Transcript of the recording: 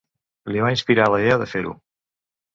Li va inspirar la idea de fer-ho.